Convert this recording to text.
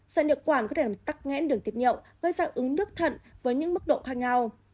sỏi niệu quản có thể làm tắc nghẽn đường tiết nhậu gây ra ứng đức thận với những mức độ khác nhau